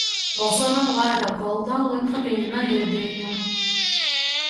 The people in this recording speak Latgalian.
Vosorā vaira goldā lyka pīna iedīņu.